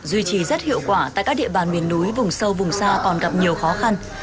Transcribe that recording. duy trì rất hiệu quả tại các địa bàn miền núi vùng sâu vùng xa còn gặp nhiều khó khăn